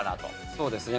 そうですね。